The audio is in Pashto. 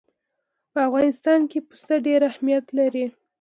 په افغانستان کې پسه ډېر اهمیت لري.